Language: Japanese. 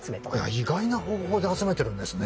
意外な方法で集めてるんですね。